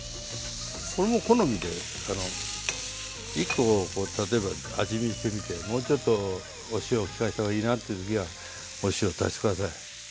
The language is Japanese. これも好みで１コ例えば味見してみてもうちょっとお塩を利かせた方がいいなっていう時はお塩足して下さい。